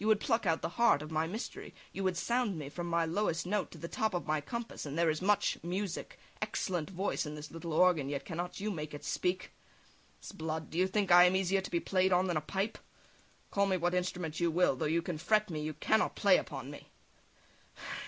You would play upon me; you would seem to know my stops; you would pluck out the heart of my mystery; you would sound me from my lowest note to the top of my compass; and there is much music, excellent voice, in this little organ, yet cannot you make it speak. S'blood! Do you think I am easier to be played on than a pipe? Call me what instrument you will, though you can fret me, you cannot play upon me!"